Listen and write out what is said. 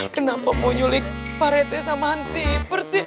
kenapa mau nyulik pak rete sama hansi pers